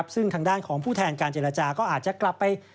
ซึ่งทางด้านของผู้แทนการเจรจาก็อาจจะกลับไป